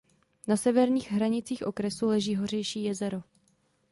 Na severních hranicích okresu leží Hořejší jezero.